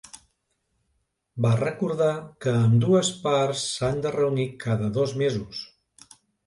Va recordar que ambdues parts s'han de reunir cada dos mesos.